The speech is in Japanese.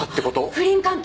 不倫関係。